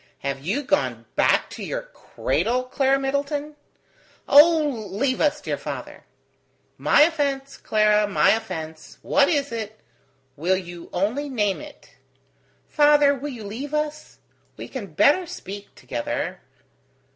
"Have you gone back to your cradle, Clara Middleton?" "Oh, leave us, dear father!" "My offence, Clara, my offence! What is it? Will you only name it?" "Father, will you leave us? We can better speak together